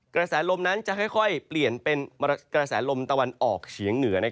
กระแสลมนั้นจะค่อยเปลี่ยนเป็นกระแสลมตะวันออกเฉียงเหนือ